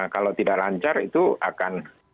kalau tidak lancar itu akan